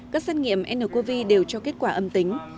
các xét nghiệm ncov đều cho kết quả âm tính